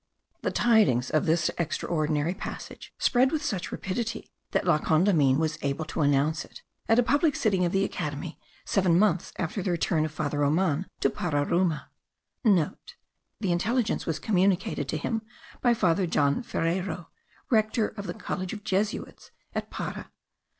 The tidings of this extraordinary passage spread with such rapidity that La Condamine was able to announce it* at a public sitting of the Academy, seven months after the return of Father Roman to Pararuma. (* The intelligence was communicated to him by Father John Ferreyro, rector of the college of Jesuits at Para.